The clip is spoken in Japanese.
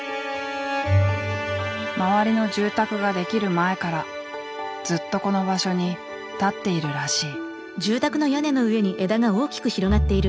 周りの住宅ができる前からずっとこの場所に立っているらしい。